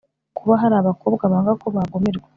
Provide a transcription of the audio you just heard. kuba hari abakobwa banga ko bagumirwa